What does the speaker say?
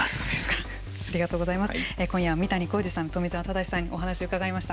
今夜は、三谷宏治さん富澤正さんにお話を伺いました。